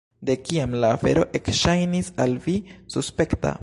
De kiam la afero ekŝajnis al vi suspekta?